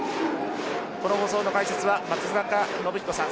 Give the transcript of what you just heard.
この放送の解説は松中信彦さん